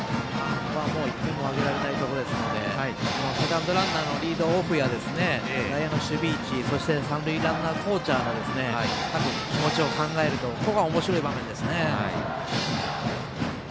ここは１点もあげられないところなのでセカンドランナーのリードオフや内野の守備位置そして三塁ランナーコーチャーの各気持ちを考えるとおもしろい場面ですね。